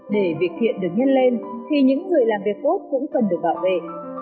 để việc thiện được nhân lên thì những người làm việc tốt cũng cần được bảo vệ